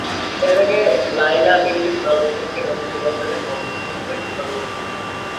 এর আগে লাইলা বিলকিস বাংলাদেশ ব্যাংকের রাজশাহী কার্যালয়ে মহাব্যবস্থাপক হিসেবে কর্মরত ছিলেন।